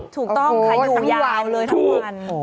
ถูกต้องค่ะอยู่ยาวเลยทั้งวัน